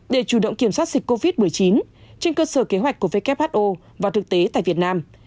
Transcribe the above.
để chủ động kiểm soát dịch covid một mươi chín trên cơ sở kế hoạch của who và thực tế tại việt nam